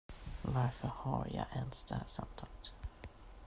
Varför har jag ens det här samtalet?